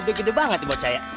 udah gede banget ibu caya